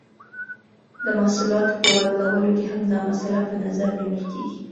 د محصولاتو په واردولو کې هم دا مسئله په نظر نیول کیږي.